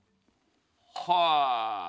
はあ。